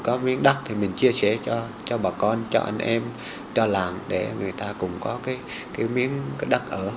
có miếng đất thì mình chia sẻ cho bà con cho anh em cho làng để người ta cũng có cái miếng đất ở